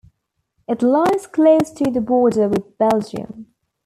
It lies close to the border with Belgium.